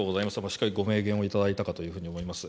しっかりご明言をいただいたかというふうに思います。